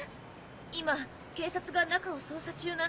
今警察が中を捜査中なんです。